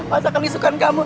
masa kemisukan kamu